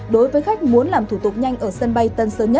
đối với khách muốn làm thủ tục nhanh ở sân